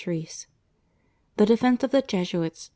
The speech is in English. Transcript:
CHAPTER VII. THE DEFENCE OF THE JESUITS.